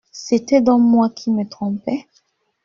C’était donc moi qui me trompais !